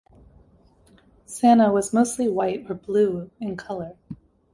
Sanna was mostly white or blue in colour.